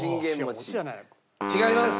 違います。